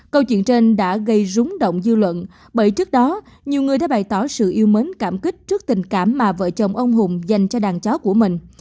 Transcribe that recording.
câu chuyện trên đã gây rúng động dư luận bởi trước đó nhiều người đã bày tỏ sự yêu mến cảm kích trước tình cảm mà vợ chồng ông hùng dành cho đàn chó của mình